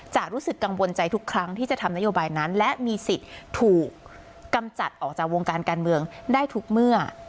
รู้สึกกังวลใจทุกครั้งที่จะทำนโยบายนั้นและมีสิทธิ์ถูกกำจัดออกจากวงการการเมืองได้ทุกเมื่อ